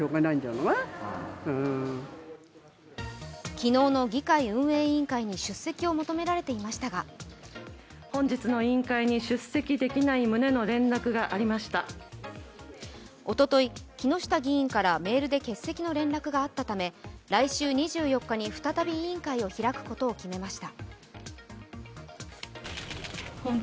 昨日の議会運営委員会に出席を求められていましたがおととい、木下議員からメールで欠席の連絡があったため、来週２４日に再び委員会を開くことを決めました。